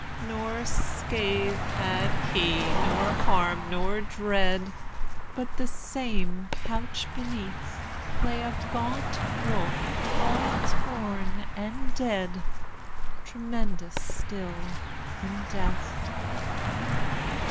Nor scath had he, nor harm, nor dread, But, the same couch beneath, Lay a gaunt wolf, all torn and dead, Tremendous still in death.